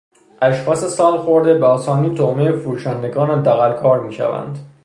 اشخاص سالخورده به آسانی طعمهی فروشندگان دغلکار میشوند.